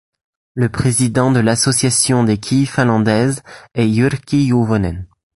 Le président de l'Association des quilles finlandaises est Jyrki Juvonen.